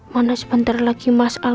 mana sebentar lagi mas al